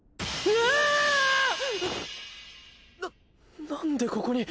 ななんでここに。